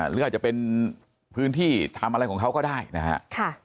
หรืออาจจะเป็นพื้นที่ทำอะไรของเขาก็ได้นะครับ